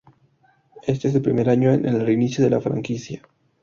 Este es el primer año en el reinicio de la franquicia.